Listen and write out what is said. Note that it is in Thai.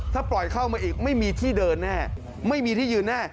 ถ้าปล่อยเข้ามาอีกไม่มีที่เดินแน่ไม่มีที่ยืนแน่